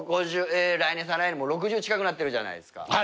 来年再来年６０近くなってるじゃないですか。